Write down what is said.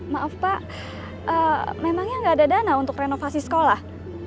maaf pak memangnya nggak ada dana untuk renovasi sekolah